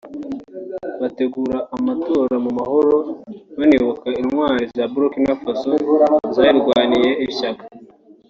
bategura amatora mu mahoro banibuka intwari za Burkina Faso zayirwaniye ishyaka